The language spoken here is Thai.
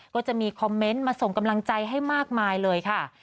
ก็จะมีคอมเมนต์มาส่งกำลังใจให้มากมายเลยค่ะ